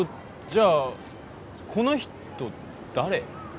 じゃあこの人誰？